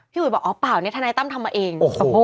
อุ๋ยบอกอ๋อเปล่าเนี่ยทนายตั้มทำมาเอง